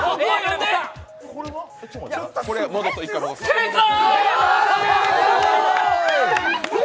正解！